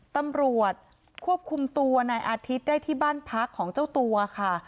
ตำรวจควบคุมตัวนายอาทิตย์ได้ที่บ้านพักของเจ้าตัวค่ะ